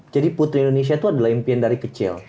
jadi putri indonesia itu adalah impian dari kecil